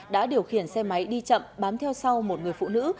đã điều khiển xe máy đi chậm bám theo sau một người phụ nữ